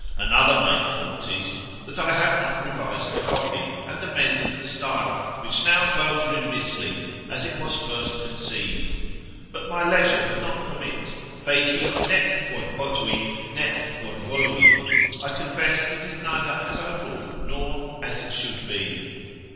Another main fault is, that I have not revised the copy, and amended the style, which now flows remissly, as it was first conceived; but my leisure would not permit; Feci nec quod potui, nec quod volui, I confess it is neither as I would, nor as it should be.